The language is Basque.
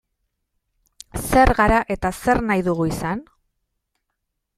Zer gara eta zer nahi dugu izan?